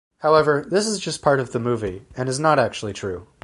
However, this is just part of the movie, and is not actually true.